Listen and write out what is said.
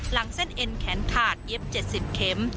หลังเส้นเอ็นแขนขาดเย็บ๗๐เข็ม